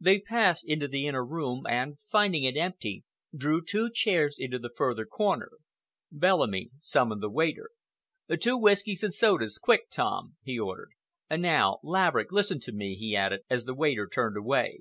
They passed into the inner room and, finding it empty, drew two chairs into the further corner. Bellamy summoned the waiter. "Two whiskies and sodas quick, Tim," he ordered. "Now, Laverick, listen to me," he added, as the waiter turned away.